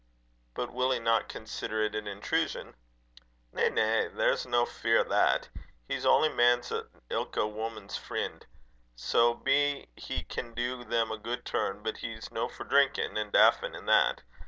"But will he not consider it an intrusion?" "Na, na; there's no fear o' that. He's ony man's an' ilka woman's freen so be he can do them a guid turn; but he's no for drinkin' and daffin' an' that.